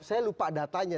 saya lupa datanya